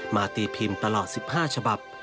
มาตีพิมพ์ตลอด๑๕ฉบับ